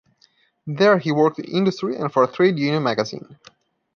There he worked in industry and for a trade union magazine.